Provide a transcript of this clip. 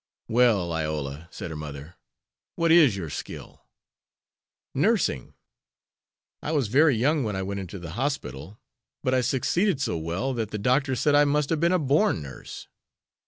"Well, Iola," said her mother, "what is your skill?" "Nursing. I was very young when I went into the hospital, but I succeeded so well that the doctor said I must have been a born nurse.